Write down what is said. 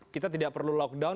kita tidak perlu lockdown